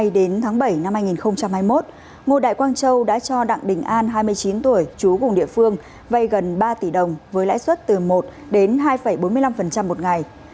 đến tháng bảy năm hai nghìn hai mươi một ngô đại quang châu đã cho đặng đình an hai mươi chín tuổi chú cùng địa phương vay gần ba tỷ đồng với lãi suất từ một đến hai bốn mươi năm một ngày